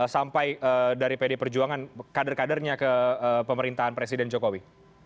sampai dari pd perjuangan kader kadernya ke pemerintahan presiden jokowi